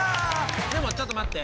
でもちょっと待って。